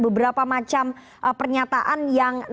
beberapa macam pernyataan yang nadanya cukup keras ya